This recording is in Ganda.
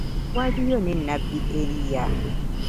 Waliyo ne Nabbi Eliya .